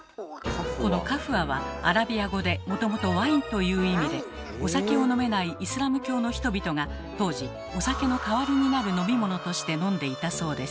この「カフワ」はアラビア語でもともと「ワイン」という意味でお酒を飲めないイスラム教の人々が当時お酒の代わりになる飲み物として飲んでいたそうです。